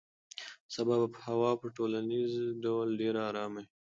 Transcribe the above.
سبا به هوا په ټولیز ډول ډېره ارامه وي.